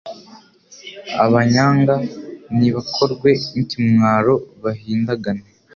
Abanyanga nibakorwe n’ikimwaro bahindagane